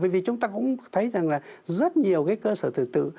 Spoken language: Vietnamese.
vì chúng ta cũng thấy rằng là rất nhiều cái cơ sở thờ tự